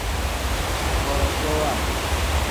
Borofowa.